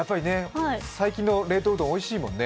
最近の冷凍うどんおいしいもんね。